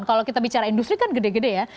kalau kita bicara industri kan gede gede ya